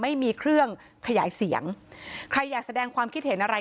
ไม่มีเครื่องขยายเสียงใครอยากแสดงความคิดเห็นอะไร